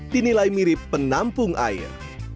dinilai mirip penampung air